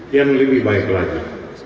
yang lebih baik lagi